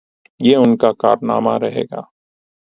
یہ ان کا کارنامہ رہے گا۔